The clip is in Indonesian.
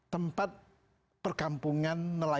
dan kemudian diperlukan pergerakan yang berubah